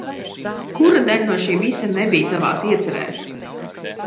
Kura daļa no šī visa nebija tavās iecerēs?